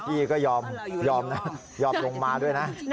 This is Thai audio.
พี่ก็ยอมนะยอมลงมาด้วยนะ